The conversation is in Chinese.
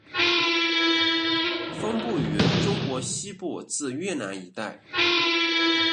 分布于中国西部至越南一带。